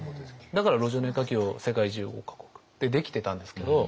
だから路上の絵描きを世界１５か国でできてたんですけど。